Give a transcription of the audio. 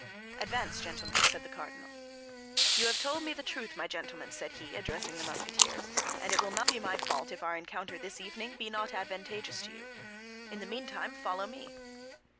"Advance, gentlemen," said the cardinal. "You have told me the truth, my gentlemen," said he, addressing the Musketeers, "and it will not be my fault if our encounter this evening be not advantageous to you. In the meantime, follow me."